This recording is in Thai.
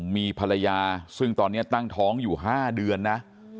มีภรรยาซึ่งตอนนี้ตั้งท้องอยู่๕เดือนนะ